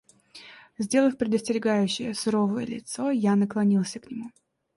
Сделав предостерегающее суровое лицо, я наклонился к нему.